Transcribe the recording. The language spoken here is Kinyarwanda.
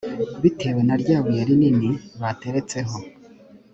bitewe na rya buye rinini bateretseho